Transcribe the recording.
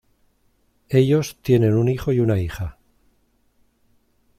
Ellos tienen un hijo y una hija.